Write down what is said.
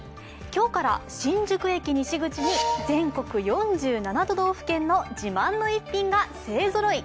今日から新宿駅西口に全国４７都道府県の自慢の一品が勢ぞろい。